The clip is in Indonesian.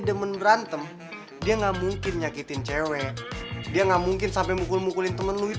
demen berantem dia nggak mungkin nyakitin cewek dia nggak mungkin sampai mukul mukulin temen lu itu